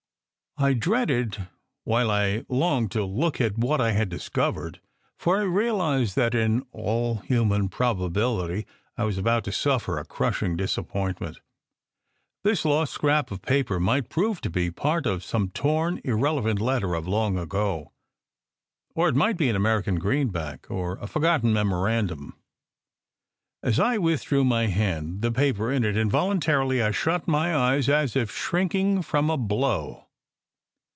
I dreaded while I longed to look at what I had discovered: for I realized that in all human probability I was about to suffer a crushing disappointment. This lost scrap of paper might prove to be part of some torn, irrelevant letter of long ago; or it might be an American greenback, or SECRET HISTORY 293 a forgotten memorandum. As I withdrew my hand the paper in it involuntarily I shut my eyes, as if shrink ing from a blow.